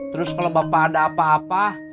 terus kalau bapak ada apa apa